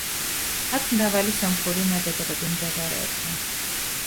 აქ მრავალი სომხური ნაგებობები მდებარეობდა.